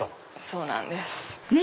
そうなんです。